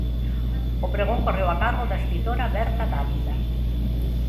O pregón correu a cargo da escritora Berta Dávila.